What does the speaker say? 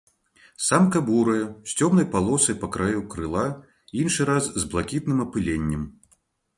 Самка бурая з цёмнай палосай па краю крыла, іншы раз з блакітным апыленнем.